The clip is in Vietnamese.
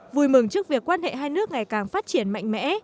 vui mừng trước việc quan hệ hai nước ngày càng phát triển mạnh mẽ